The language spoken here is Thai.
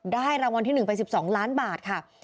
ได้รางวัลที่หนึ่งเป็น๑๒ล้านบาทค่ะ